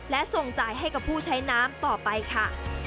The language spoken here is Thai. และส่งจ่ายให้กับผู้ใช้น้ำต่อไปค่ะ